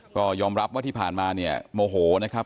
ก็ยอมรับว่าที่ผ่านมาเนี่ยโมโหนะครับ